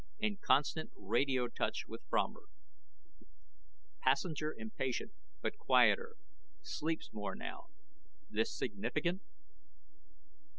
IN CONSTANT RADIO TOUCH WITH FROMER. PASSENGER IMPATIENT BUT QUIETER. SLEEPS MORE NOW. THIS SIGNIFICANT?